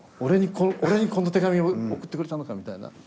俺にこの手紙を送ってくれたのかみたいな。